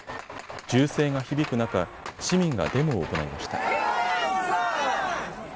銃声が響く中、市民がデモを行いました。